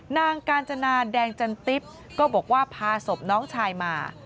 นางกาญจนาแดงจันติ๊บก็บอกว่าพาศพน้องชายมา